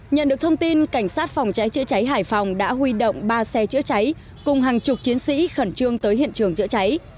nhận được thông tin cảnh sát phòng cháy chữa cháy hải phòng đã huy động ba xe chữa cháy cùng hàng chục chiến sĩ khẩn trương tới hiện trường chữa cháy